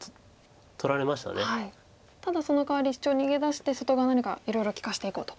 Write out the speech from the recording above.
ただそのかわりシチョウ逃げ出して外側何かいろいろ利かしていこうと。